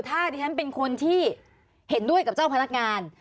ถ้าดิฉันเป็นคนที่เห็นด้วยกับเจ้าพนักงาน